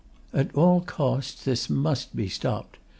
_At all costs this must be stopped.